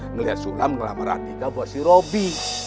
ngeliat sulam ngelamaran kita buat si robi